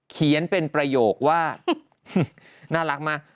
เขียนเป็นประโยคว่าน่ารักมาก